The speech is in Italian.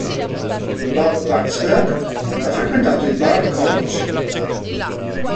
Bob-Waksberg ha frequentato il Bard College.